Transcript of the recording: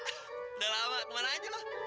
udah lama kemana aja lu